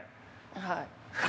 はい。